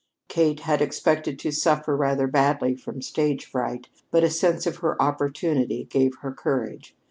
Kate had expected to suffer rather badly from stage fright, but a sense of her opportunity gave her courage.